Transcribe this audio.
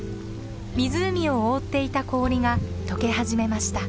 湖を覆っていた氷が解け始めました。